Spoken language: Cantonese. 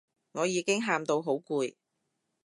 我已經喊到好攰